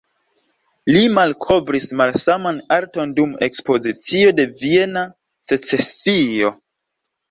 Li malkovris malsaman arton dum ekspozicio de Viena Secesio.